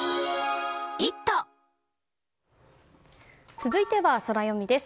続いてはソラよみです。